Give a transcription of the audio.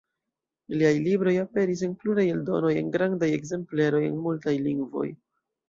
Liaj libroj aperis en pluraj eldonoj en grandaj ekzempleroj, en multaj lingvoj.